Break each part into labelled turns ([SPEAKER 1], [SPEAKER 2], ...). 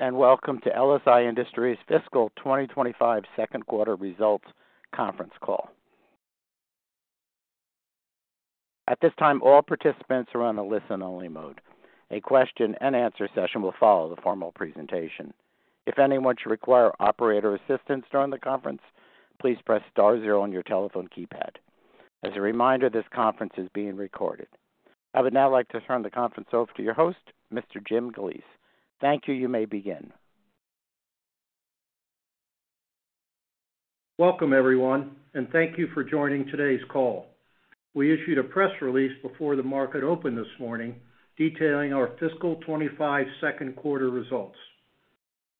[SPEAKER 1] Welcome to LSI Industries' fiscal 2025 second quarter results conference call. At this time, all participants are on a listen-only mode. A question-and-answer session will follow the formal presentation. If anyone should require operator assistance during the conference, please press star zero on your telephone keypad. As a reminder, this conference is being recorded. I would now like to turn the conference over to your host, Mr. Jim Galeese. Thank you. You may begin.
[SPEAKER 2] Welcome, everyone, and thank you for joining today's call. We issued a press release before the market opened this morning detailing our fiscal 2025 second quarter results.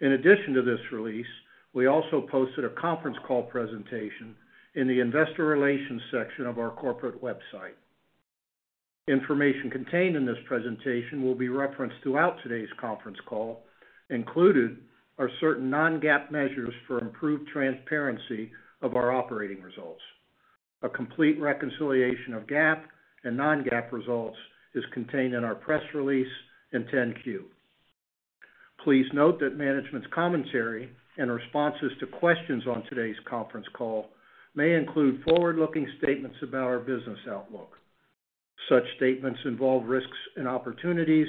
[SPEAKER 2] In addition to this release, we also posted a conference call presentation in the investor relations section of our corporate website. Information contained in this presentation will be referenced throughout today's conference call. Included are certain non-GAAP measures for improved transparency of our operating results. A complete reconciliation of GAAP and non-GAAP results is contained in our press release and 10-Q. Please note that management's commentary and responses to questions on today's conference call may include forward-looking statements about our business outlook. Such statements involve risks and opportunities,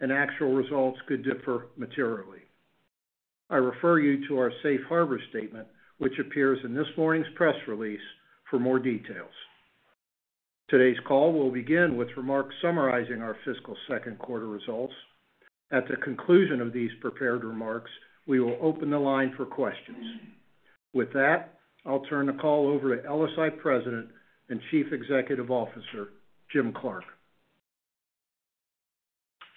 [SPEAKER 2] and actual results could differ materially. I refer you to our safe harbor statement, which appears in this morning's press release for more details. Today's call will begin with remarks summarizing our fiscal second quarter results. At the conclusion of these prepared remarks, we will open the line for questions. With that, I'll turn the call over to LSI President and Chief Executive Officer, Jim Clark.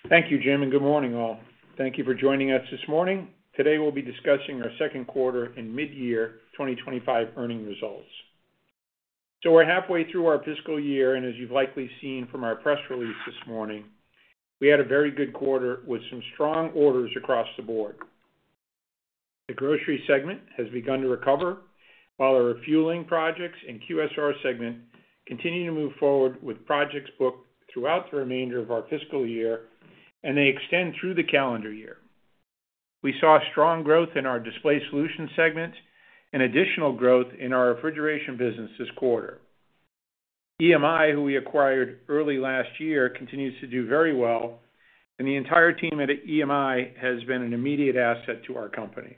[SPEAKER 3] Thank you, Jim, and good morning, all. Thank you for joining us this morning. Today, we'll be discussing our second quarter and mid-year 2025 earnings results. So we're halfway through our fiscal year, and as you've likely seen from our press release this morning, we had a very good quarter with some strong orders across the board. The grocery segment has begun to recover, while our refueling projects and QSR segment continue to move forward with projects booked throughout the remainder of our fiscal year, and they extend through the calendar year. We saw strong growth in our Display Solutions segment and additional growth in our refrigeration business this quarter. EMI, who we acquired early last year, continues to do very well, and the entire team at EMI has been an immediate asset to our company.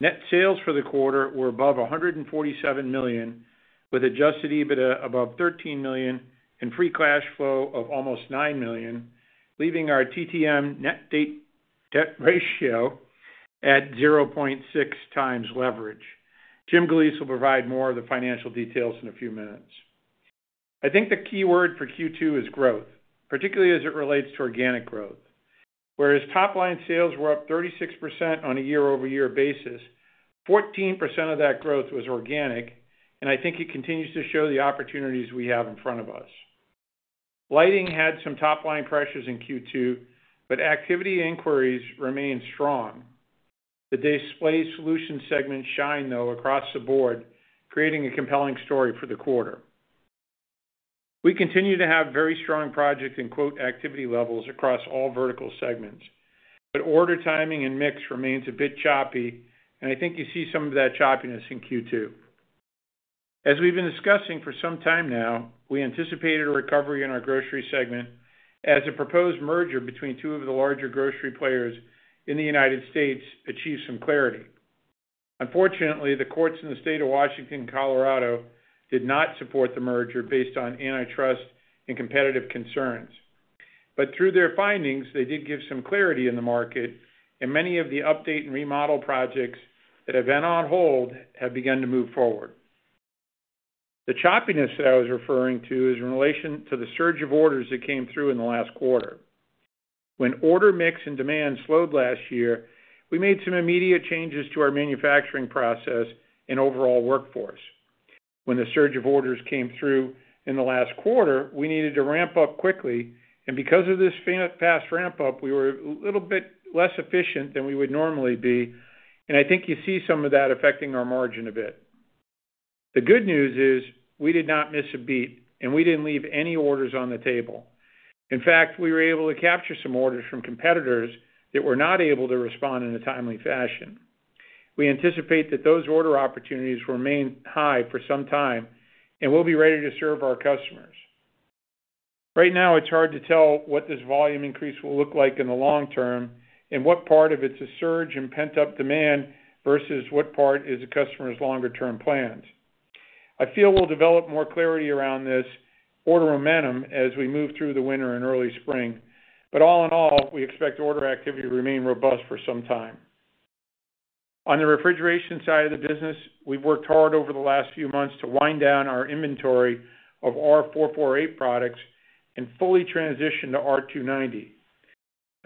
[SPEAKER 3] Net sales for the quarter were above $147 million, with Adjusted EBITDA above $13 million and free cash flow of almost $9 million, leaving our TTM net debt ratio at 0.6 times leverage. Jim Galeese will provide more of the financial details in a few minutes. I think the key word for Q2 is growth, particularly as it relates to organic growth. Whereas top-line sales were up 36% on a year-over-year basis, 14% of that growth was organic, and I think it continues to show the opportunities we have in front of us. Lighting had some top-line pressures in Q2, but activity inquiries remained strong. The Display Solutions segment shined, though, across the board, creating a compelling story for the quarter. We continue to have very strong project and quote activity levels across all vertical segments, but order timing and mix remains a bit choppy, and I think you see some of that choppiness in Q2. As we've been discussing for some time now, we anticipated a recovery in our Grocery segment as a proposed merger between two of the larger Grocery players in the United States achieves some clarity. Unfortunately, the courts in the state of Washington and Colorado did not support the merger based on antitrust and competitive concerns, but through their findings, they did give some clarity in the market, and many of the update and remodel projects that have been on hold have begun to move forward. The choppiness that I was referring to is in relation to the surge of orders that came through in the last quarter. When order mix and demand slowed last year, we made some immediate changes to our manufacturing process and overall workforce. When the surge of orders came through in the last quarter, we needed to ramp up quickly, and because of this fast ramp-up, we were a little bit less efficient than we would normally be, and I think you see some of that affecting our margin a bit. The good news is we did not miss a beat, and we didn't leave any orders on the table. In fact, we were able to capture some orders from competitors that were not able to respond in a timely fashion. We anticipate that those order opportunities will remain high for some time, and we'll be ready to serve our customers. Right now, it's hard to tell what this volume increase will look like in the long term and what part of it's a surge and pent-up demand versus what part is a customer's longer-term plans. I feel we'll develop more clarity around this order momentum as we move through the winter and early spring, but all in all, we expect order activity to remain robust for some time. On the refrigeration side of the business, we've worked hard over the last few months to wind down our inventory of R-448A products and fully transition to R-290.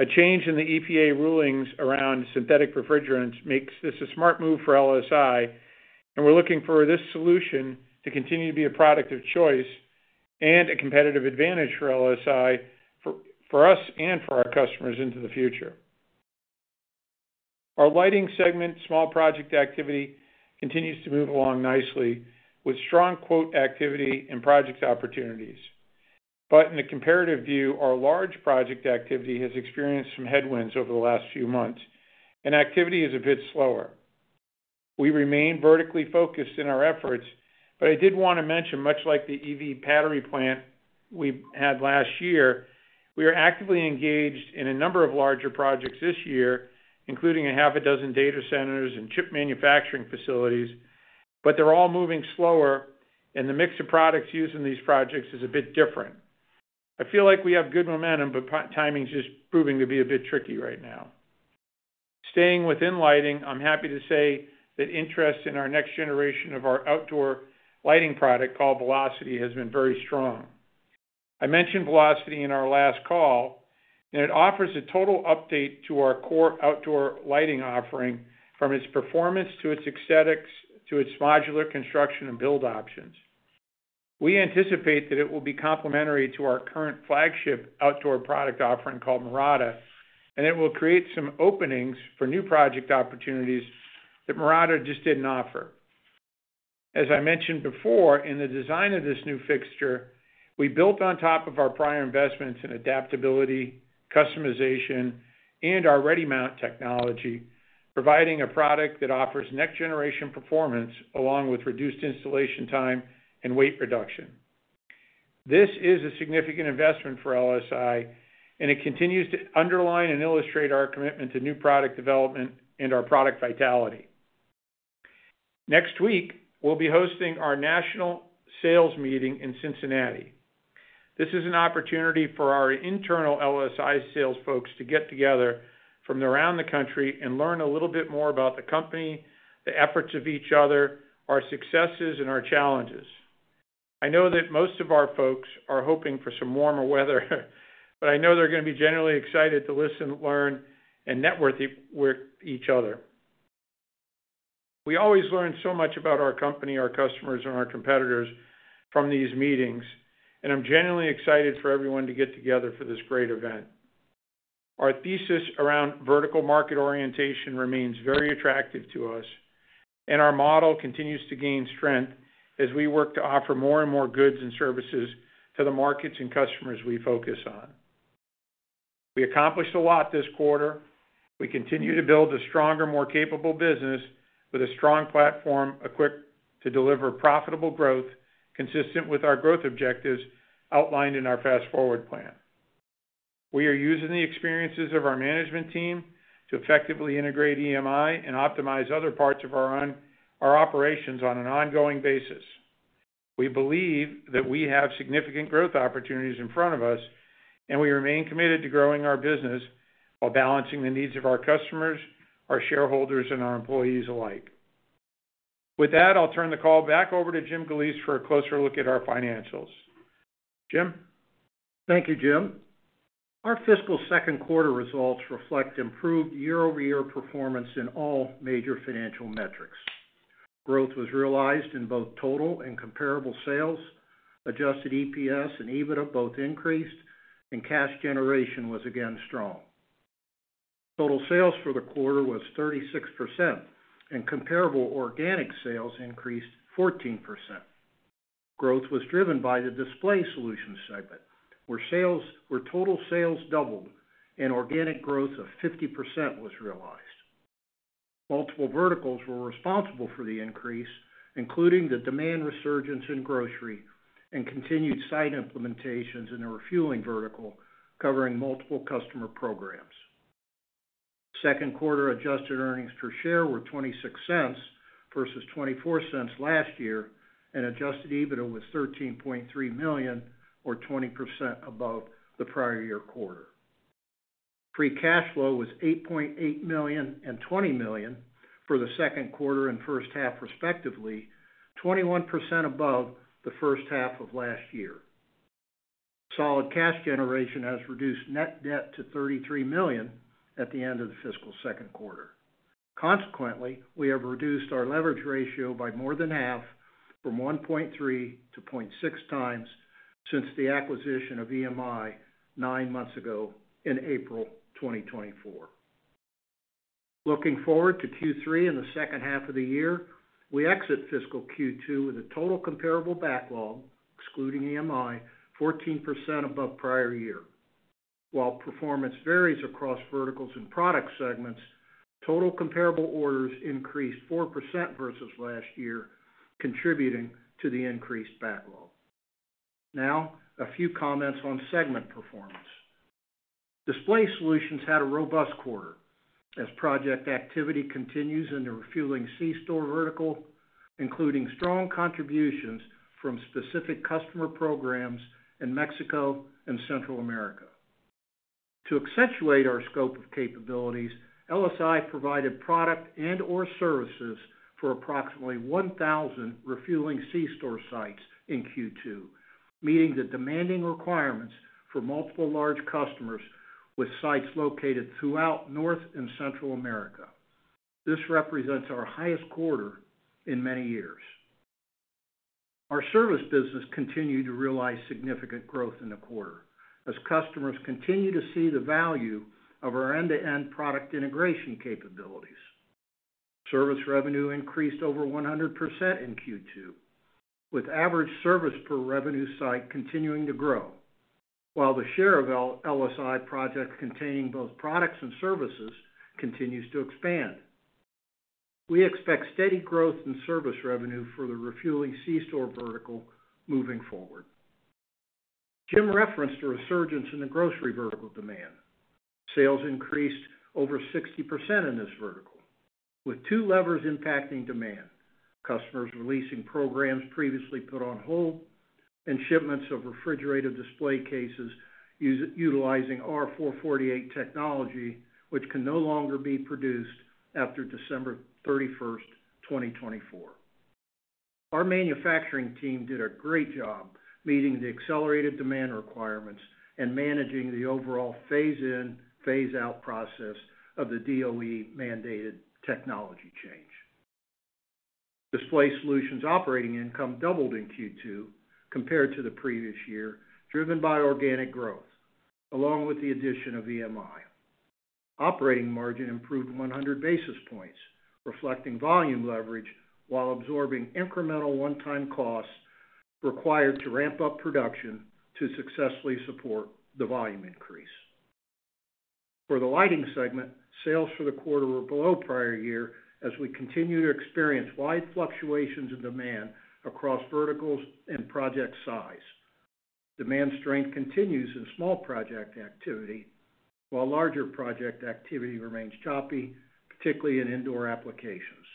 [SPEAKER 3] A change in the EPA rulings around synthetic refrigerants makes this a smart move for LSI, and we're looking for this solution to continue to be a product of choice and a competitive advantage for LSI for us and for our customers into the future. Our Lighting segment, small project activity continues to move along nicely with strong quote activity and project opportunities, but in the comparative view, our large project activity has experienced some headwinds over the last few months, and activity is a bit slower. We remain vertically focused in our efforts, but I did want to mention, much like the EV battery plant we had last year, we are actively engaged in a number of larger projects this year, including six data centers and chip manufacturing facilities, but they're all moving slower, and the mix of products used in these projects is a bit different. I feel like we have good momentum, but timing's just proving to be a bit tricky right now. Staying within Lighting, I'm happy to say that interest in our next generation of our outdoor lighting product called Velocity has been very strong. I mentioned Velocity in our last call, and it offers a total update to our core outdoor lighting offering from its performance to its aesthetics to its modular construction and build options. We anticipate that it will be complementary to our current flagship outdoor product offering called Mirada, and it will create some openings for new project opportunities that Mirada just didn't offer. As I mentioned before, in the design of this new fixture, we built on top of our prior investments in adaptability, customization, and our Redi-Mount technology, providing a product that offers next-generation performance along with reduced installation time and weight reduction. This is a significant investment for LSI, and it continues to underline and illustrate our commitment to new product development and our product vitality. Next week, we'll be hosting our national sales meeting in Cincinnati. This is an opportunity for our internal LSI sales folks to get together from around the country and learn a little bit more about the company, the efforts of each other, our successes, and our challenges. I know that most of our folks are hoping for some warmer weather, but I know they're going to be generally excited to listen, learn, and network with each other. We always learn so much about our company, our customers, and our competitors from these meetings, and I'm genuinely excited for everyone to get together for this great event. Our thesis around vertical market orientation remains very attractive to us, and our model continues to gain strength as we work to offer more and more goods and services to the markets and customers we focus on. We accomplished a lot this quarter. We continue to build a stronger, more capable business with a strong platform equipped to deliver profitable growth consistent with our growth objectives outlined in our Fast Forward Plan. We are using the experiences of our management team to effectively integrate EMI and optimize other parts of our operations on an ongoing basis. We believe that we have significant growth opportunities in front of us, and we remain committed to growing our business while balancing the needs of our customers, our shareholders, and our employees alike. With that, I'll turn the call back over to Jim Galeese for a closer look at our financials. Jim?
[SPEAKER 2] Thank you, Jim. Our fiscal second quarter results reflect improved year-over-year performance in all major financial metrics. Growth was realized in both total and comparable sales. Adjusted EPS and EBITDA both increased, and cash generation was again strong. Total sales for the quarter was 36%, and comparable organic sales increased 14%. Growth was driven by the Display Solutions segment, where total sales doubled and organic growth of 50% was realized. Multiple verticals were responsible for the increase, including the demand resurgence in Grocery and continued site implementations in the refueling vertical, covering multiple customer programs. Second quarter adjusted earnings per share were $0.26 versus $0.24 last year, and adjusted EBITDA was $13.3 million, or 20% above the prior year quarter. Free cash flow was $8.8 million and $20 million for the second quarter and first half, respectively, 21% above the first half of last year. Solid cash generation has reduced net debt to $33 million at the end of the fiscal second quarter. Consequently, we have reduced our leverage ratio by more than half, from 1.3 to 0.6 times since the acquisition of EMI nine months ago in April 2024. Looking forward to Q3 and the second half of the year, we exit fiscal Q2 with a total comparable backlog, excluding EMI, 14% above prior year. While performance varies across verticals and product segments, total comparable orders increased 4% versus last year, contributing to the increased backlog. Now, a few comments on segment performance. Display Solutions had a robust quarter as project activity continues in the refueling C-store vertical, including strong contributions from specific customer programs in Mexico and Central America. To accentuate our scope of capabilities, LSI provided product and/or services for approximately 1,000 refueling C-store sites in Q2, meeting the demanding requirements for multiple large customers with sites located throughout North and Central America. This represents our highest quarter in many years. Our service business continued to realize significant growth in the quarter as customers continue to see the value of our end-to-end product integration capabilities. Service revenue increased over 100% in Q2, with average service per revenue site continuing to grow, while the share of LSI projects containing both products and services continues to expand. We expect steady growth in service revenue for the refueling C-store vertical moving forward. Jim referenced a resurgence in the Grocery vertical demand. Sales increased over 60% in this vertical, with two levers impacting demand: customers releasing programs previously put on hold and shipments of refrigerated display cases utilizing R-448A technology, which can no longer be produced after December 31st, 2024. Our manufacturing team did a great job meeting the accelerated demand requirements and managing the overall phase-in phase-out process of the DOE-mandated technology change. Display Solutions' operating income doubled in Q2 compared to the previous year, driven by organic growth, along with the addition of EMI. Operating margin improved 100 basis points, reflecting volume leverage while absorbing incremental one-time costs required to ramp up production to successfully support the volume increase. For the Lighting segment, sales for the quarter were below prior year as we continue to experience wide fluctuations in demand across verticals and project size. Demand strength continues in small project activity, while larger project activity remains choppy, particularly in indoor applications.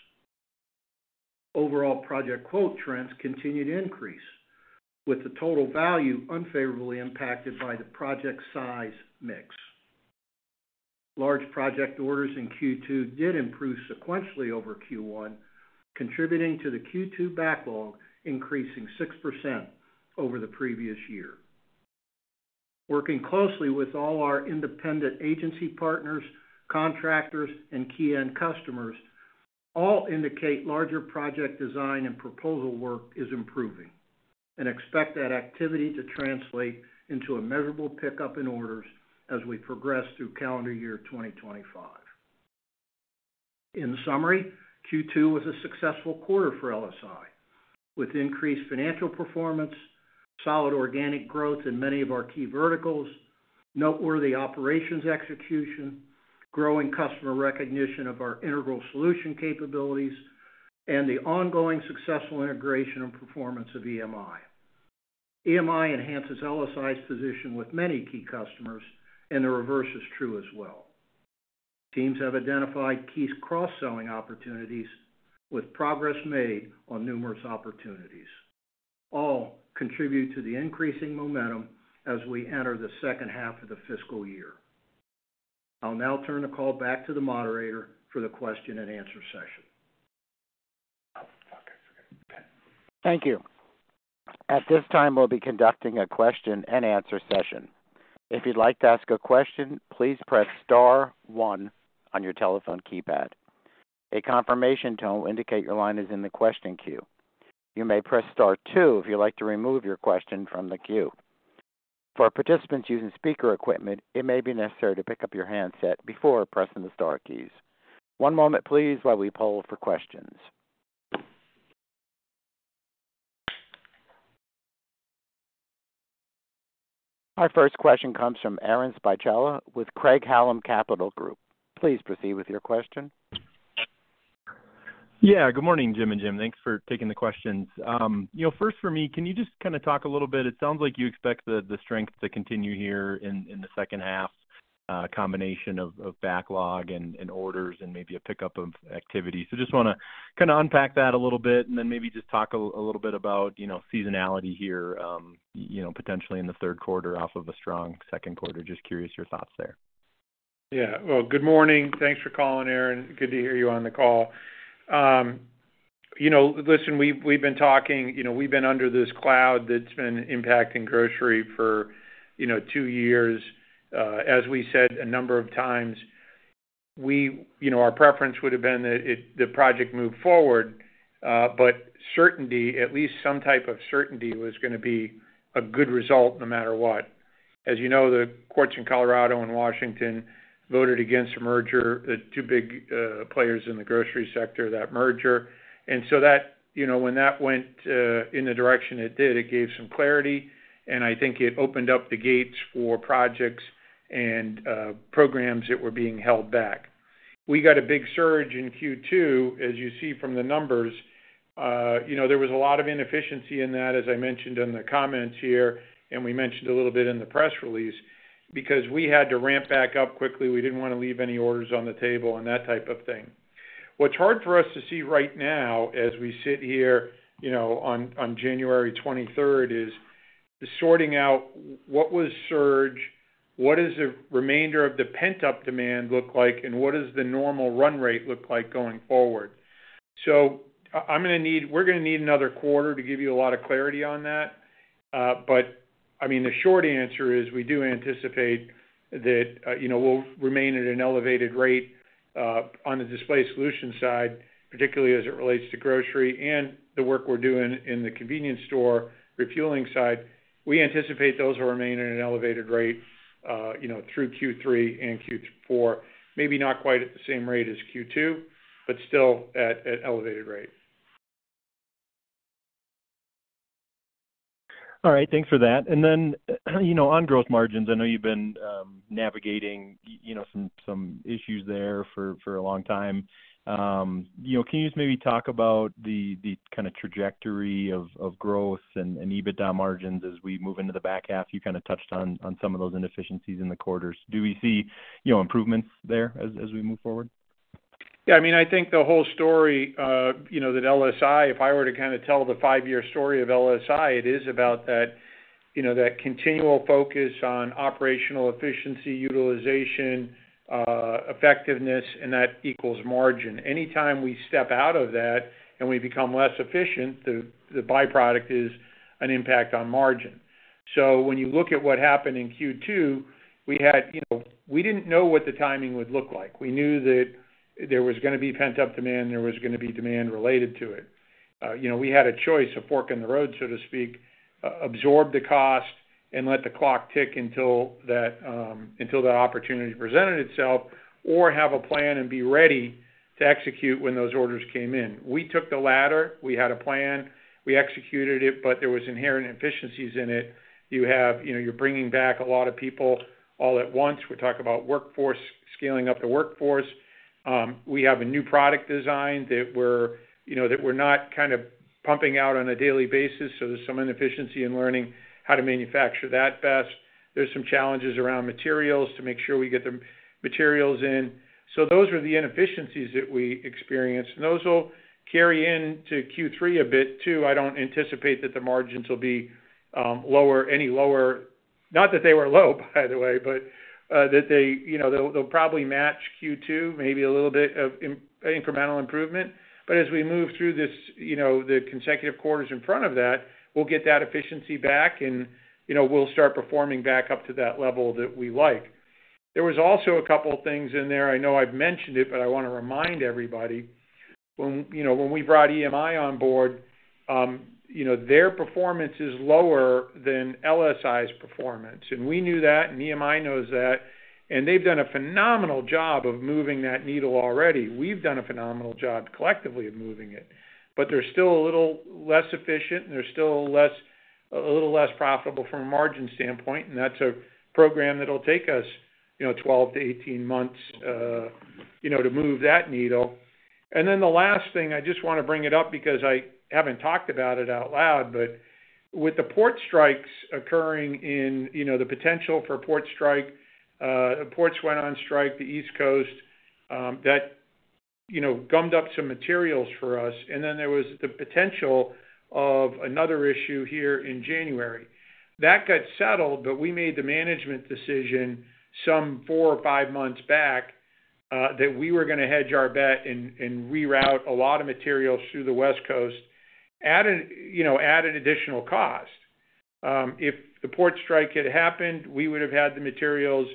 [SPEAKER 2] Overall project quote trends continued to increase, with the total value unfavorably impacted by the project size mix. Large project orders in Q2 did improve sequentially over Q1, contributing to the Q2 backlog increasing 6% over the previous year. Working closely with all our independent agency partners, contractors, and key-end customers, all indicate larger project design and proposal work is improving, and expect that activity to translate into a measurable pickup in orders as we progress through calendar year 2025. In summary, Q2 was a successful quarter for LSI, with increased financial performance, solid organic growth in many of our key verticals, noteworthy operations execution, growing customer recognition of our integral solution capabilities, and the ongoing successful integration and performance of EMI. EMI enhances LSI's position with many key customers, and the reverse is true as well. Teams have identified key cross-selling opportunities, with progress made on numerous opportunities. All contribute to the increasing momentum as we enter the second half of the fiscal year. I'll now turn the call back to the moderator for the question-and-answer session.
[SPEAKER 1] Thank you. At this time, we'll be conducting a question-and-answer session. If you'd like to ask a question, please press Star 1 on your telephone keypad. A confirmation tone will indicate your line is in the question queue. You may press Star 2 if you'd like to remove your question from the queue. For participants using speaker equipment, it may be necessary to pick up your handset before pressing the Star keys. One moment, please, while we poll for questions. Our first question comes from Aaron Spychala with Craig-Hallum Capital Group. Please proceed with your question.
[SPEAKER 4] Yeah. Good morning, Jim and Jim. Thanks for taking the questions. First, for me, can you just kind of talk a little bit? It sounds like you expect the strength to continue here in the second half, a combination of backlog and orders and maybe a pickup of activity. So just want to kind of unpack that a little bit and then maybe just talk a little bit about seasonality here, potentially in the third quarter off of a strong second quarter. Just curious your thoughts there.
[SPEAKER 3] Yeah. Well, good morning. Thanks for calling, Aaron. Good to hear you on the call. Listen, we've been talking. We've been under this cloud that's been impacting Grocery for two years. As we said a number of times, our preference would have been that the project move forward, but certainty, at least some type of certainty, was going to be a good result no matter what. As you know, the courts in Colorado and Washington voted against a merger, the two big players in the Grocery sector, that merger, and so when that went in the direction it did, it gave some clarity, and I think it opened up the gates for projects and programs that were being held back. We got a big surge in Q2, as you see from the numbers. There was a lot of inefficiency in that, as I mentioned in the comments here, and we mentioned a little bit in the press release because we had to ramp back up quickly. We didn't want to leave any orders on the table and that type of thing. What's hard for us to see right now as we sit here on January 23rd is sorting out what was surge, what does the remainder of the pent-up demand look like, and what does the normal run rate look like going forward. So we're going to need another quarter to give you a lot of clarity on that. But I mean, the short answer is we do anticipate that we'll remain at an elevated rate on the Display Solutions side, particularly as it relates to Grocery and the work we're doing in the convenience store refueling side. We anticipate those will remain at an elevated rate through Q3 and Q4, maybe not quite at the same rate as Q2, but still at an elevated rate.
[SPEAKER 4] All right. Thanks for that. And then on gross margins, I know you've been navigating some issues there for a long time. Can you just maybe talk about the kind of trajectory of growth and EBITDA margins as we move into the back half? You kind of touched on some of those inefficiencies in the quarters. Do we see improvements there as we move forward?
[SPEAKER 3] Yeah. I mean, I think the whole story that LSI, if I were to kind of tell the five-year story of LSI, it is about that continual focus on operational efficiency, utilization, effectiveness, and that equals margin. Anytime we step out of that and we become less efficient, the byproduct is an impact on margin. So when you look at what happened in Q2, we didn't know what the timing would look like. We knew that there was going to be pent-up demand, and there was going to be demand related to it. We had a choice, a fork in the road, so to speak, absorb the cost and let the clock tick until that opportunity presented itself, or have a plan and be ready to execute when those orders came in. We took the latter. We had a plan. We executed it, but there were inherent inefficiencies in it. You're bringing back a lot of people all at once. We're talking about workforce, scaling up the workforce. We have a new product design that we're not kind of pumping out on a daily basis. So there's some inefficiency in learning how to manufacture that best. There's some challenges around materials to make sure we get the materials in. So those were the inefficiencies that we experienced, and those will carry into Q3 a bit too. I don't anticipate that the margins will be any lower, not that they were low, by the way, but that they'll probably match Q2, maybe a little bit of incremental improvement. But as we move through the consecutive quarters in front of that, we'll get that efficiency back, and we'll start performing back up to that level that we like. There was also a couple of things in there. I know I've mentioned it, but I want to remind everybody. When we brought EMI on board, their performance is lower than LSI's performance. We knew that, and EMI knows that, and they've done a phenomenal job of moving that needle already. We've done a phenomenal job collectively of moving it, but they're still a little less efficient, and they're still a little less profitable from a margin standpoint. That's a program that'll take us 12-18 months to move that needle. Then the last thing, I just want to bring it up because I haven't talked about it out loud, but with the port strikes occurring and the potential for port strike. Ports went on strike, the East Coast, that gummed up some materials for us. Then there was the potential of another issue here in January. That got settled, but we made the management decision some four or five months back that we were going to hedge our bet and reroute a lot of materials through the West Coast at an additional cost. If the port strike had happened, we would have had the materials,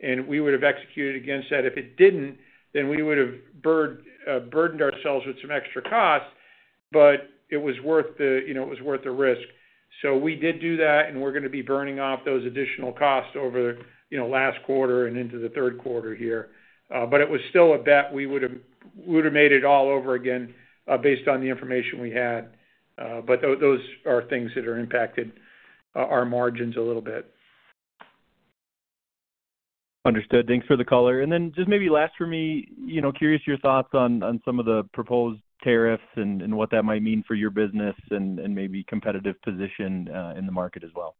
[SPEAKER 3] and we would have executed against that. If it didn't, then we would have burdened ourselves with some extra cost, but it was worth the risk. So we did do that, and we're going to be burning off those additional costs over the last quarter and into the third quarter here. But it was still a bet. We would have made it all over again based on the information we had. But those are things that are impacting our margins a little bit.
[SPEAKER 4] Understood. Thanks for the caller. And then just maybe last for me, curious your thoughts on some of the proposed tariffs and what that might mean for your business and maybe competitive position in the market as well?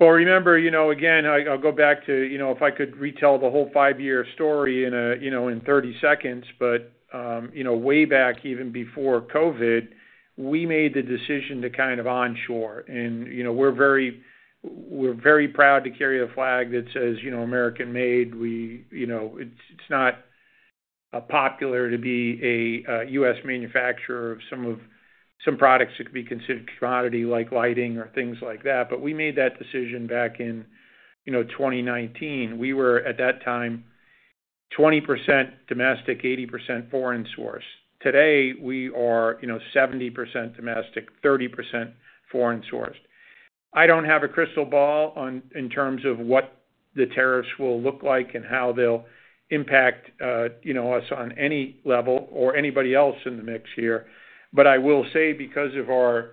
[SPEAKER 3] Remember, again, I'll go back to if I could retell the whole five-year story in 30 seconds, but way back, even before COVID, we made the decision to kind of onshore. We're very proud to carry a flag that says American-made. It's not popular to be a U.S. manufacturer of some products that could be considered commodity like lighting or things like that. We made that decision back in 2019. We were, at that time, 20% domestic, 80% foreign source. Today, we are 70% domestic, 30% foreign sourced. I don't have a crystal ball in terms of what the tariffs will look like and how they'll impact us on any level or anybody else in the mix here. I will say, because of our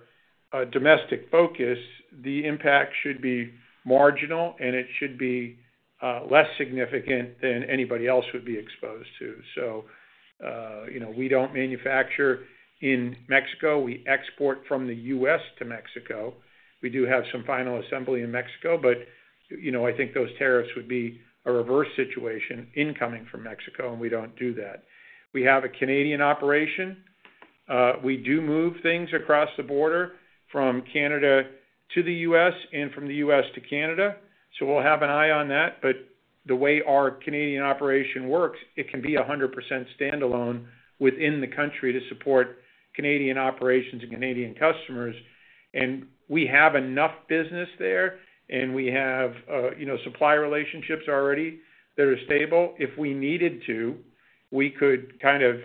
[SPEAKER 3] domestic focus, the impact should be marginal, and it should be less significant than anybody else would be exposed to. So we don't manufacture in Mexico. We export from the U.S. to Mexico. We do have some final assembly in Mexico, but I think those tariffs would be a reverse situation incoming from Mexico, and we don't do that. We have a Canadian operation. We do move things across the border from Canada to the U.S. and from the U.S. to Canada. So we'll have an eye on that. But the way our Canadian operation works, it can be 100% standalone within the country to support Canadian operations and Canadian customers. And we have enough business there, and we have supply relationships already that are stable. If we needed to, we could kind of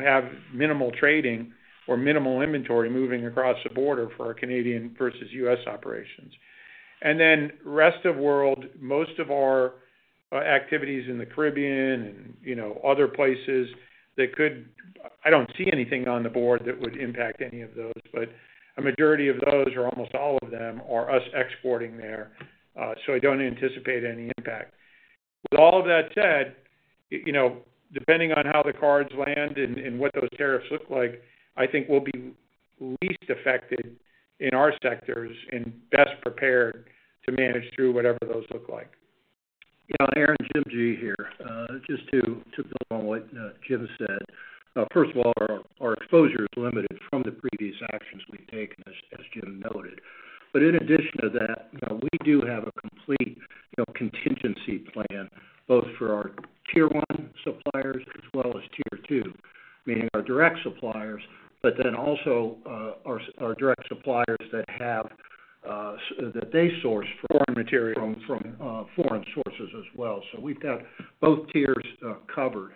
[SPEAKER 3] have minimal trading or minimal inventory moving across the border for our Canadian versus U.S. operations. Then, rest of world: most of our activities in the Caribbean and other places. I don't see anything on the board that would impact any of those, but a majority of those, or almost all of them, are us exporting there. So, I don't anticipate any impact. With all of that said, depending on how the cards land and what those tariffs look like, I think we'll be least affected in our sectors and best prepared to manage through whatever those look like.
[SPEAKER 2] Yeah. Aaron, Jim G. here, just to build on what Jim said. First of all, our exposure is limited from the previous actions we've taken, as Jim noted. But in addition to that, we do have a complete contingency plan, both for our tier one suppliers as well as tier two, meaning our direct suppliers, but then also our direct suppliers that they source foreign material from foreign sources as well. So we've got both tiers covered.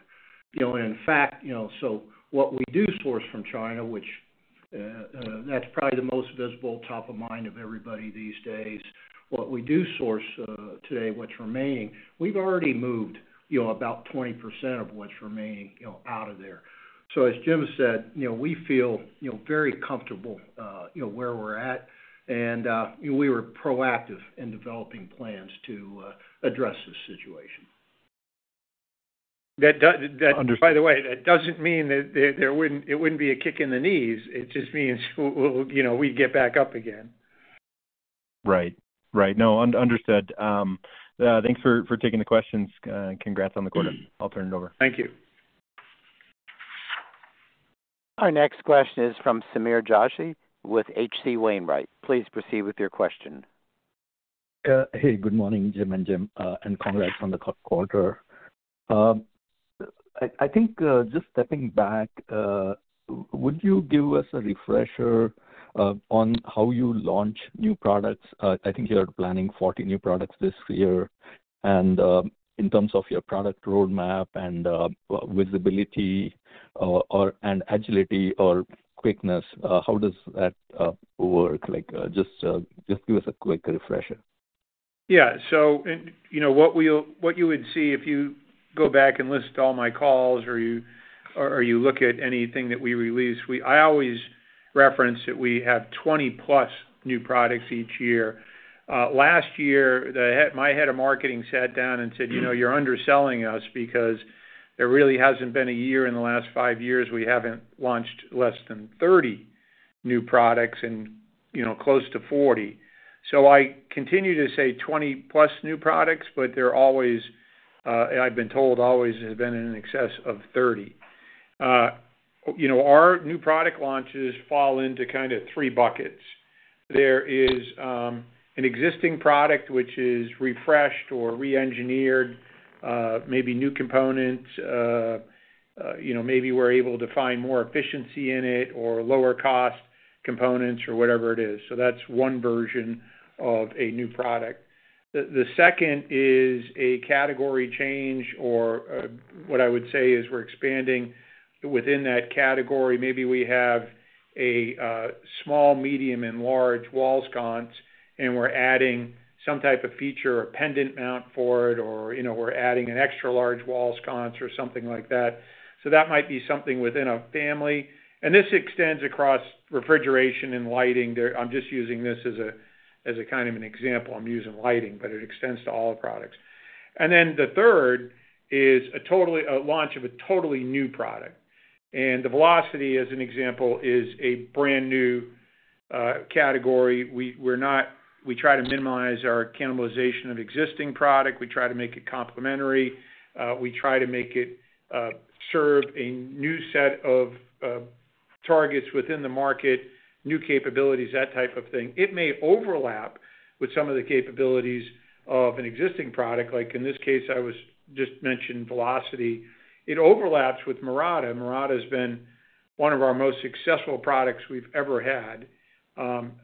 [SPEAKER 2] In fact, so what we do source from China, which, that's probably the most visible top of mind of everybody these days, what we do source today, what's remaining, we've already moved about 20% of what's remaining out of there. So as Jim said, we feel very comfortable where we're at, and we were proactive in developing plans to address this situation.
[SPEAKER 3] By the way, that doesn't mean that it wouldn't be a kick in the knees. It just means we'd get back up again.
[SPEAKER 4] Right. Right. No, understood. Thanks for taking the questions. Congrats on the quarter. I'll turn it over.
[SPEAKER 3] Thank you.
[SPEAKER 1] Our next question is from Sameer Joshi with H.C. Wainwright. Please proceed with your question.
[SPEAKER 5] Hey, good morning, Jim and Jim, and congrats on the quarter. I think just stepping back, would you give us a refresher on how you launch new products? I think you're planning 40 new products this year. And in terms of your product roadmap and visibility and agility or quickness, how does that work? Just give us a quick refresher.
[SPEAKER 3] Yeah. So what you would see if you go back and list all my calls or you look at anything that we release, I always reference that we have 20-plus new products each year. Last year, my head of marketing sat down and said, "You're underselling us because there really hasn't been a year in the last five years we haven't launched less than 30 new products and close to 40." So I continue to say 20-plus new products, but they're always, I've been told, always have been in excess of 30. Our new product launches fall into kind of three buckets. There is an existing product which is refreshed or re-engineered, maybe new components, maybe we're able to find more efficiency in it or lower-cost components or whatever it is. So that's one version of a new product. The second is a category change, or what I would say is we're expanding within that category. Maybe we have a small, medium, and large wall sconce, and we're adding some type of feature or pendant mount for it, or we're adding an extra-large wall sconce or something like that. So that might be something within a family, and this extends across refrigeration and lighting. I'm just using this as a kind of an example. I'm using Lighting, but it extends to all products, and then the third is a launch of a totally new product, and the Velocity, as an example, is a brand new category. We try to minimize our cannibalization of existing product. We try to make it complementary. We try to make it serve a new set of targets within the market, new capabilities, that type of thing. It may overlap with some of the capabilities of an existing product. Like in this case, I was just mentioning Velocity. It overlaps with Mirada. Mirada has been one of our most successful products we've ever had,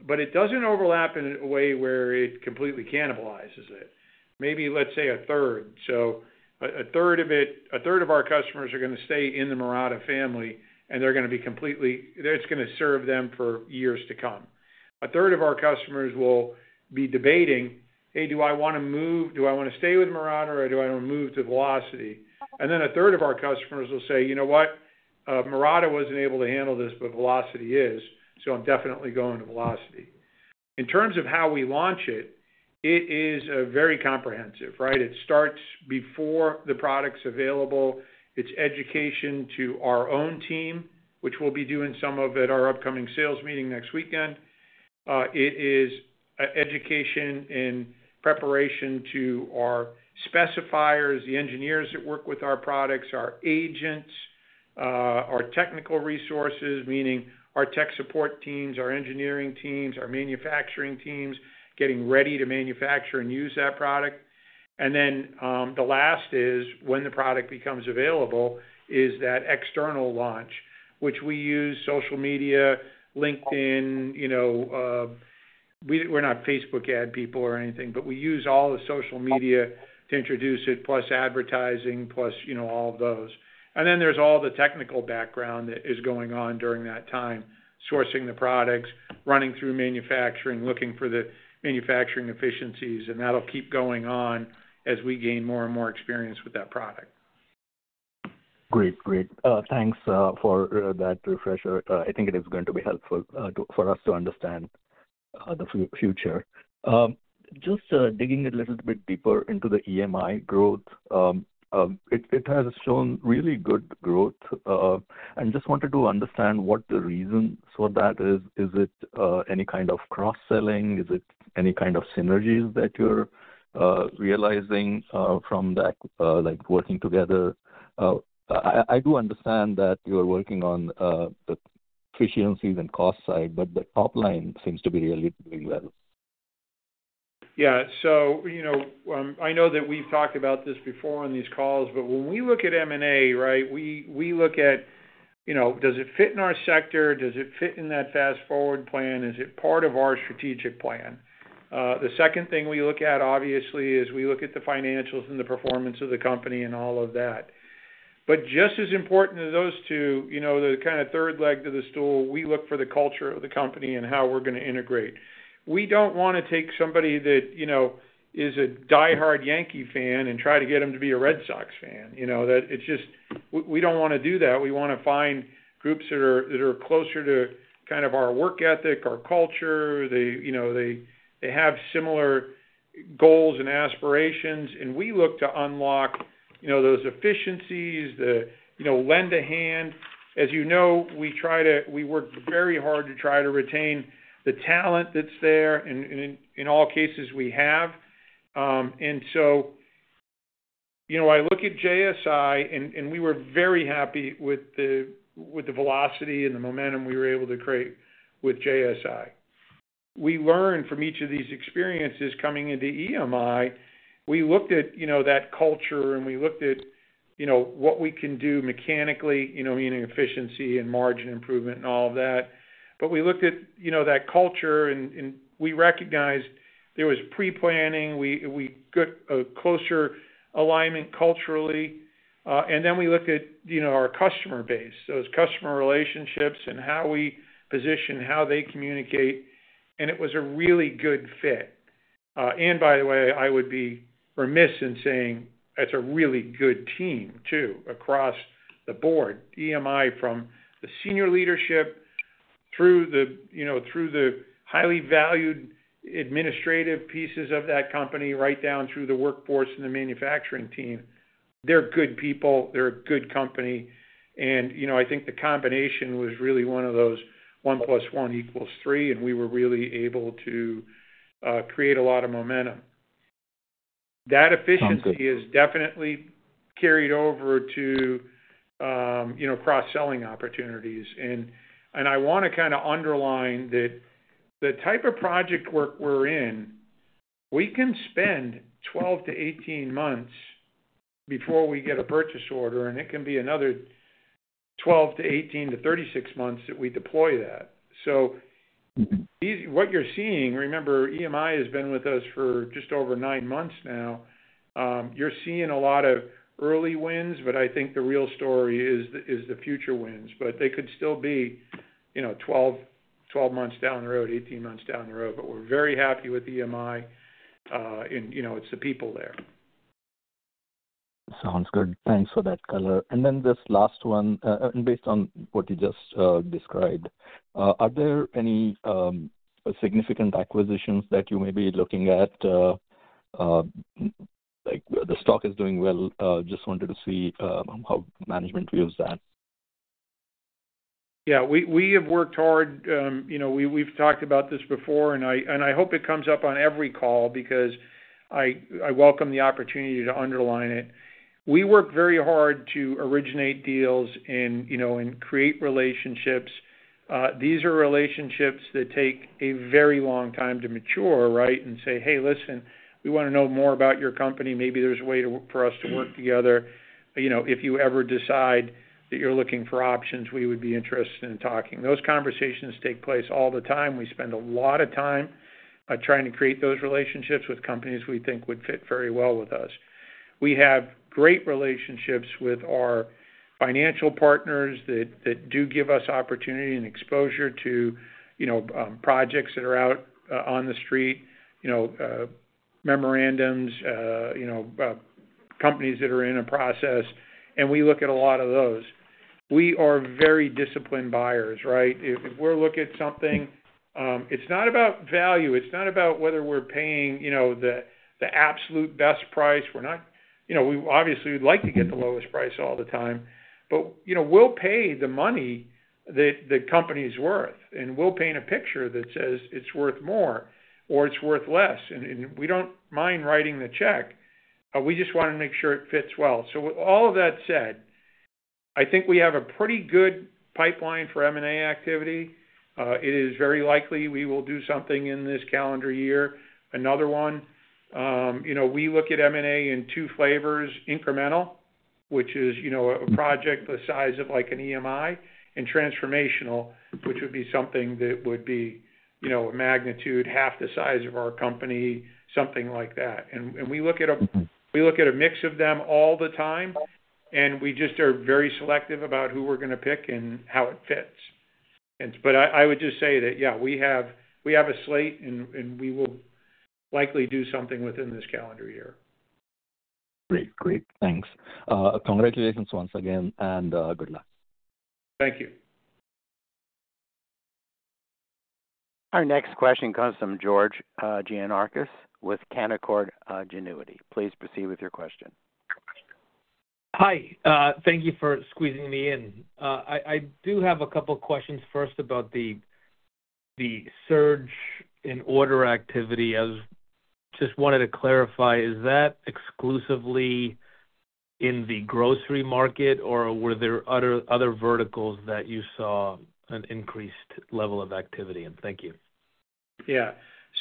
[SPEAKER 3] but it doesn't overlap in a way where it completely cannibalizes it. Maybe, let's say, a third. So a third of our customers are going to stay in the Mirada family, and they're going to be completely it's going to serve them for years to come. A third of our customers will be debating, "Hey, do I want to move? Do I want to stay with Mirada, or do I want to move to Velocity?" And then a third of our customers will say, "You know what? Mirada wasn't able to handle this, but Velocity is. So I'm definitely going to Velocity." In terms of how we launch it, it is very comprehensive, right? It starts before the product's available. It's education to our own team, which we'll be doing some of at our upcoming sales meeting next weekend. It is education and preparation to our specifiers, the engineers that work with our products, our agents, our technical resources, meaning our tech support teams, our engineering teams, our manufacturing teams getting ready to manufacture and use that product. And then the last is, when the product becomes available, is that external launch, which we use social media, LinkedIn. We're not Facebook ad people or anything, but we use all the social media to introduce it, plus advertising, plus all of those. There's all the technical background that is going on during that time, sourcing the products, running through manufacturing, looking for the manufacturing efficiencies, and that'll keep going on as we gain more and more experience with that product.
[SPEAKER 5] Great. Great. Thanks for that refresher. I think it is going to be helpful for us to understand the future. Just digging a little bit deeper into the EMI growth, it has shown really good growth, and just wanted to understand what the reasons for that is. Is it any kind of cross-selling? Is it any kind of synergies that you're realizing from that working together? I do understand that you're working on the efficiencies and cost side, but the top line seems to be really doing well.
[SPEAKER 3] Yeah. So I know that we've talked about this before on these calls, but when we look at M&A, right? We look at, does it fit in our sector? Does it fit in that Fast Forward Plan? Is it part of our strategic plan? The second thing we look at, obviously, is we look at the financials and the performance of the company and all of that. But just as important as those two, the kind of third leg of the stool, we look for the culture of the company and how we're going to integrate. We don't want to take somebody that is a die-hard Yankees fan and try to get them to be a Red Sox fan. We don't want to do that. We want to find groups that are closer to kind of our work ethic, our culture. They have similar goals and aspirations, and we look to unlock those efficiencies, the lend-a-hand. As you know, we work very hard to try to retain the talent that's there, and in all cases, we have. And so I look at JSI, and we were very happy with the Velocity and the momentum we were able to create with JSI. We learned from each of these experiences coming into EMI. We looked at that culture, and we looked at what we can do mechanically, meaning efficiency and margin improvement and all of that. But we looked at that culture, and we recognized there was pre-planning. We got a closer alignment culturally. And then we looked at our customer base, those customer relationships and how we position, how they communicate. And it was a really good fit. And by the way, I would be remiss in saying it's a really good team too across the board, EMI from the senior leadership through the highly valued administrative pieces of that company right down through the workforce and the manufacturing team. They're good people. They're a good company. And I think the combination was really one of those one plus one equals three, and we were really able to create a lot of momentum. That efficiency is definitely carried over to cross-selling opportunities. And I want to kind of underline that the type of project work we're in, we can spend 12-18 months before we get a purchase order, and it can be another 12-18 to 36 months that we deploy that. So what you're seeing, remember, EMI has been with us for just over nine months now. You're seeing a lot of early wins, but I think the real story is the future wins. But they could still be 12 months down the road, 18 months down the road, but we're very happy with EMI, and it's the people there.
[SPEAKER 5] Sounds good. Thanks for that, Clark. And then this last one, based on what you just described, are there any significant acquisitions that you may be looking at? The stock is doing well. Just wanted to see how management views that.
[SPEAKER 3] Yeah. We have worked hard. We've talked about this before, and I hope it comes up on every call because I welcome the opportunity to underline it. We work very hard to originate deals and create relationships. These are relationships that take a very long time to mature, right? And say, "Hey, listen, we want to know more about your company. Maybe there's a way for us to work together. If you ever decide that you're looking for options, we would be interested in talking." Those conversations take place all the time. We spend a lot of time trying to create those relationships with companies we think would fit very well with us. We have great relationships with our financial partners that do give us opportunity and exposure to projects that are out on the street, memorandums, companies that are in a process, and we look at a lot of those. We are very disciplined buyers, right? If we're looking at something, it's not about value. It's not about whether we're paying the absolute best price. We're not obviously, we'd like to get the lowest price all the time, but we'll pay the money that the company's worth, and we'll paint a picture that says it's worth more or it's worth less. And we don't mind writing the check. We just want to make sure it fits well. So with all of that said, I think we have a pretty good pipeline for M&A activity. It is very likely we will do something in this calendar year, another one. We look at M&A in two flavors: incremental, which is a project the size of an EMI, and transformational, which would be something that would be a magnitude half the size of our company, something like that, and we look at a mix of them all the time, and we just are very selective about who we're going to pick and how it fits, but I would just say that, yeah, we have a slate, and we will likely do something within this calendar year.
[SPEAKER 5] Great. Great. Thanks. Congratulations once again, and good luck.
[SPEAKER 3] Thank you.
[SPEAKER 1] Our next question comes from George Gianarikas with Canaccord Genuity. Please proceed with your question.
[SPEAKER 6] Hi. Thank you for squeezing me in. I do have a couple of questions first about the surge in order activity. I just wanted to clarify, is that exclusively in the Grocery market, or were there other verticals that you saw an increased level of activity in? Thank you.
[SPEAKER 3] Yeah.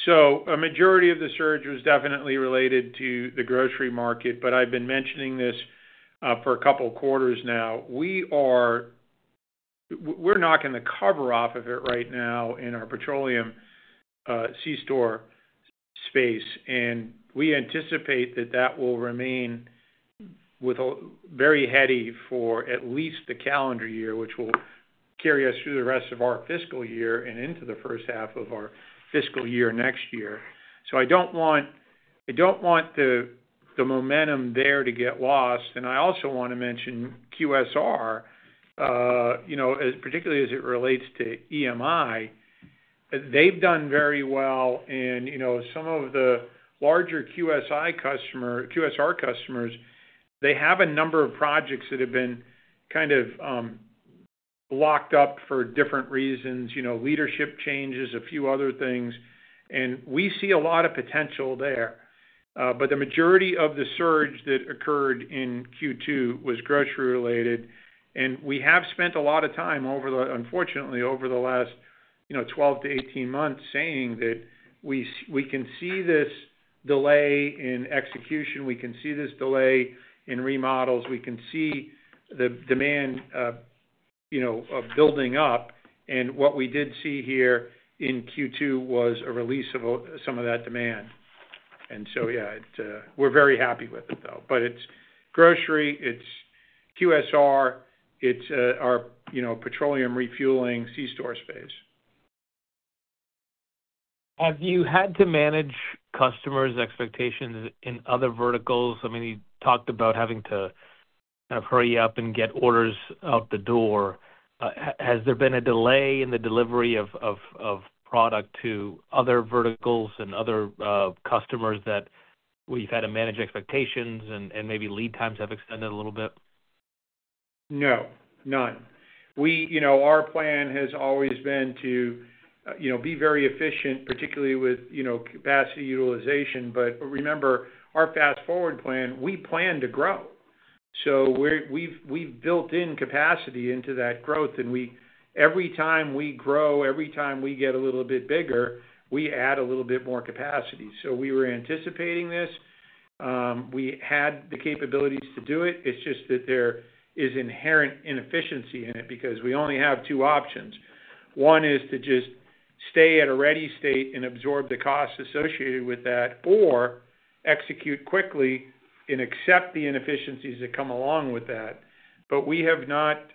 [SPEAKER 3] So a majority of the surge was definitely related to the Grocery market, but I've been mentioning this for a couple of quarters now. We're knocking the cover off of it right now in our petroleum C-store space, and we anticipate that that will remain very heady for at least the calendar year, which will carry us through the rest of our fiscal year and into the first half of our fiscal year next year. So I don't want the momentum there to get lost. And I also want to mention QSR, particularly as it relates to EMI. They've done very well. And some of the larger QSR customers, they have a number of projects that have been kind of locked up for different reasons, leadership changes, a few other things. And we see a lot of potential there. But the majority of the surge that occurred in Q2 was Grocery related. And we have spent a lot of time, unfortunately, over the last 12 to 18 months saying that we can see this delay in execution. We can see this delay in remodels. We can see the demand building up. And what we did see here in Q2 was a release of some of that demand. And so, yeah, we're very happy with it, though. But it's Grocery. It's QSR. It's our petroleum refueling C-store space.
[SPEAKER 6] Have you had to manage customers' expectations in other verticals? I mean, you talked about having to hurry up and get orders out the door. Has there been a delay in the delivery of product to other verticals and other customers that we've had to manage expectations and maybe lead times have extended a little bit?
[SPEAKER 3] No. None. Our plan has always been to be very efficient, particularly with capacity utilization. But remember, our Fast Forward Plan. We plan to grow. So we've built in capacity into that growth. And every time we grow, every time we get a little bit bigger, we add a little bit more capacity. So we were anticipating this. We had the capabilities to do it. It's just that there is inherent inefficiency in it because we only have two options. One is to just stay at a ready state and absorb the cost associated with that, or execute quickly and accept the inefficiencies that come along with that. But we have not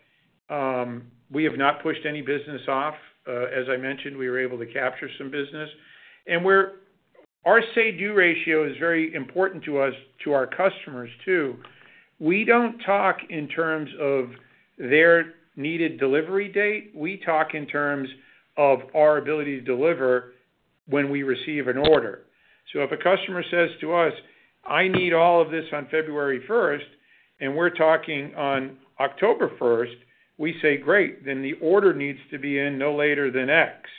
[SPEAKER 3] pushed any business off. As I mentioned, we were able to capture some business. And our say-do ratio is very important to us, to our customers too. We don't talk in terms of their needed delivery date. We talk in terms of our ability to deliver when we receive an order. So if a customer says to us, "I need all of this on February 1st," and we're talking on October 1st, we say, "Great. Then the order needs to be in no later than X."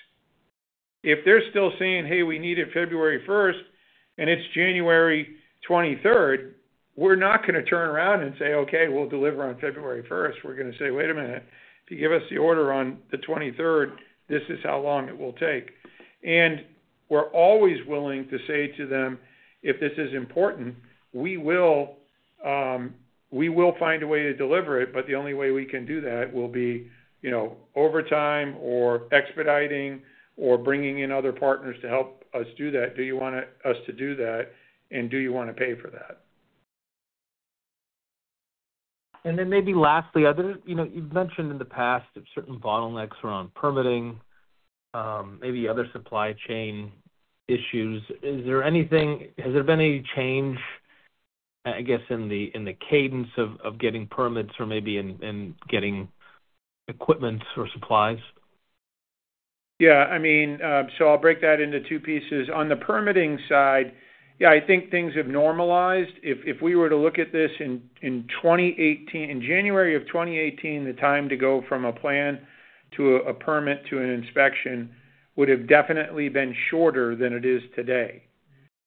[SPEAKER 3] If they're still saying, "Hey, we need it February 1st," and it's January 23rd, we're not going to turn around and say, "Okay, we'll deliver on February 1st." We're going to say, "Wait a minute. If you give us the order on the 23rd, this is how long it will take." And we're always willing to say to them, "If this is important, we will find a way to deliver it, but the only way we can do that will be overtime or expediting or bringing in other partners to help us do that. Do you want us to do that, and do you want to pay for that?
[SPEAKER 6] And then maybe lastly, you've mentioned in the past that certain bottlenecks around permitting, maybe other supply chain issues. Is there anything, has there been any change, I guess, in the cadence of getting permits or maybe in getting equipment or supplies?
[SPEAKER 3] Yeah. I mean, so I'll break that into two pieces. On the permitting side, yeah, I think things have normalized. If we were to look at this in January of 2018, the time to go from a plan to a permit to an inspection would have definitely been shorter than it is today.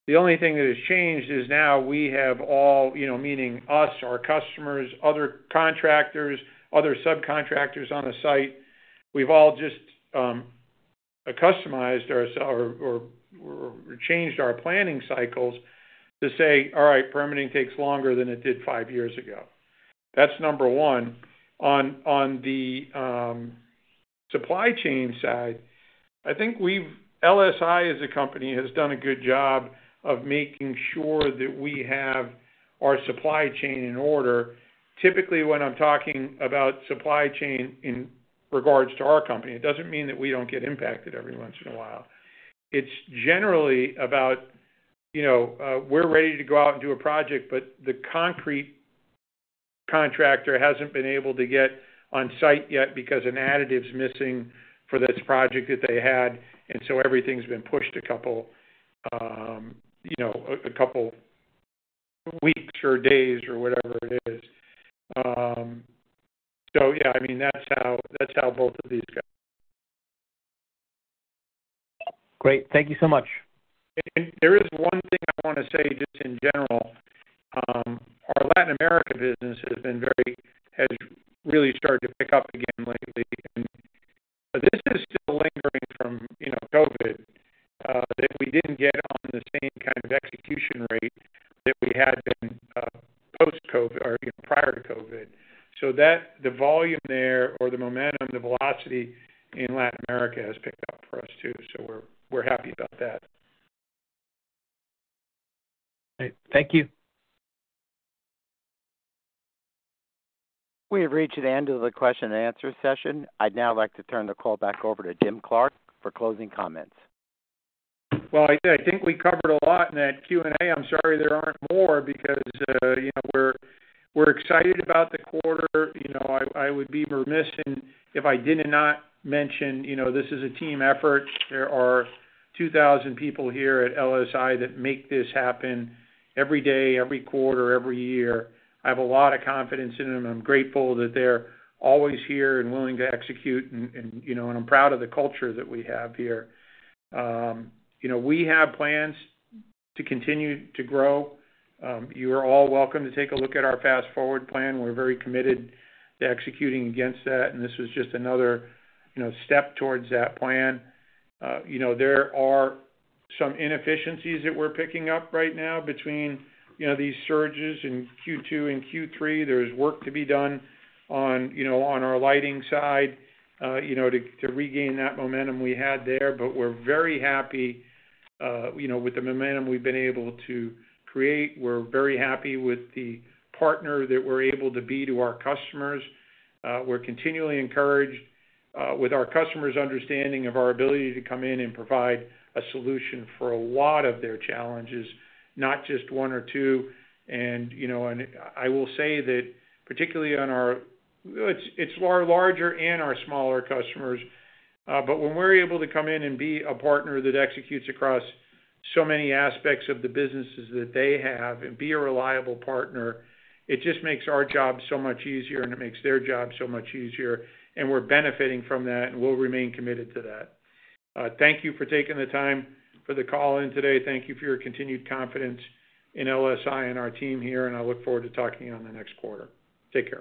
[SPEAKER 3] The only thing that has changed is now we have all, meaning us, our customers, other contractors, other subcontractors on the site, we've all just customized or changed our planning cycles to say, "All right, permitting takes longer than it did five years ago." That's number one. On the supply chain side, I think LSI, as a company, has done a good job of making sure that we have our supply chain in order. Typically, when I'm talking about supply chain in regards to our company, it doesn't mean that we don't get impacted every once in a while. It's generally about we're ready to go out and do a project, but the concrete contractor hasn't been able to get on site yet because an additive's missing for this project that they had. And so everything's been pushed a couple weeks or days or whatever it is. So yeah, I mean, that's how both of these guys.
[SPEAKER 6] Great. Thank you so much.
[SPEAKER 3] There is one thing I want to say just in general. Our Latin America business has really started to pick up again lately. This is still lingering from COVID, that we didn't get on the same kind of execution rate that we had been post-COVID or prior to COVID. The volume there or the momentum, the Velocity in Latin America has picked up for us too. We're happy about that.
[SPEAKER 6] Great. Thank you.
[SPEAKER 1] We have reached the end of the question-and-answer session. I'd now like to turn the call back over to Jim Clark for closing comments.
[SPEAKER 3] I think we covered a lot in that Q&A. I'm sorry there aren't more because we're excited about the quarter. I would be remiss if I did not mention this is a team effort. There are 2,000 people here at LSI that make this happen every day, every quarter, every year. I have a lot of confidence in them. I'm grateful that they're always here and willing to execute, and I'm proud of the culture that we have here. We have plans to continue to grow. You are all welcome to take a look at our Fast Forward Plan. We're very committed to executing against that, and this is just another step towards that plan. There are some inefficiencies that we're picking up right now between these surges in Q2 and Q3. There's work to be done on our Lighting side to regain that momentum we had there. But we're very happy with the momentum we've been able to create. We're very happy with the partner that we're able to be to our customers. We're continually encouraged with our customers' understanding of our ability to come in and provide a solution for a lot of their challenges, not just one or two. And I will say that particularly on our, it's our larger and our smaller customers. But when we're able to come in and be a partner that executes across so many aspects of the businesses that they have and be a reliable partner, it just makes our job so much easier, and it makes their job so much easier. And we're benefiting from that, and we'll remain committed to that. Thank you for taking the time for the call in today. Thank you for your continued confidence in LSI and our team here, and I look forward to talking to you on the next quarter. Take care.